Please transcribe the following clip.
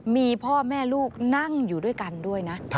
มีพ่อแม่ลูกนั่งอยู่ด้วยกันด้วยนะ